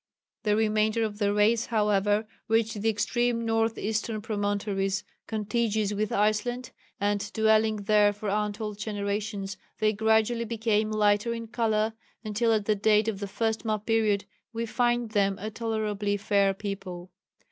The remainder of the race, however, reached the extreme north eastern promontories contiguous with Iceland, and dwelling there for untold generations, they gradually became lighter in colour, until at the date of the first map period we find them a tolerably fair people.